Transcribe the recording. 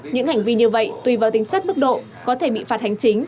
những hành vi như vậy tùy vào tính chất mức độ có thể bị phạt hành chính